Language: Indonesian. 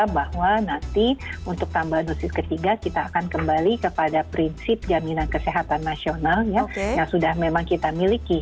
bahwa nanti untuk tambahan dosis ketiga kita akan kembali kepada prinsip jaminan kesehatan nasional yang sudah memang kita miliki